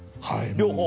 両方。